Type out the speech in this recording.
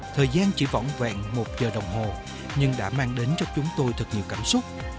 thời gian chỉ võng vẹn một giờ đồng hồ nhưng đã mang đến cho chúng tôi thật nhiều cảm xúc